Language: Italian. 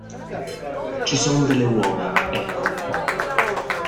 Ci son delle uova, ecco.